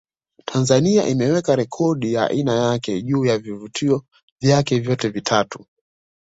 Tanzania imeweka rekodi ya aina yake juu ya vivutio vyake vyote vitatu